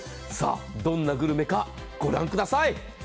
どんなグルメか、ご覧ください。